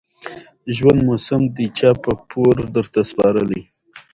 ژوند موسم دى چا په پور درته سپارلى